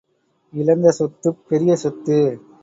இழந்த சொத்துப் பெரிய சொத்து.